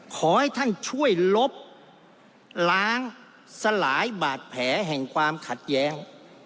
ขอให้ท่านช่วยลบล้างสลายบาดแผลแห่งความขัดแย้ง